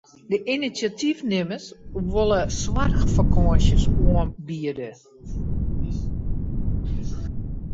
De inisjatyfnimmers wolle soarchfakânsjes oanbiede.